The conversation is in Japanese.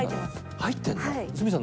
入ってるの？